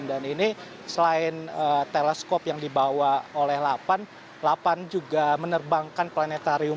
dan ini selain teleskop yang dibawa oleh delapan delapan juga menerbangkan planetarium